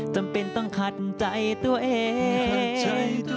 จำเป็นต้องขัดใจตัวเอง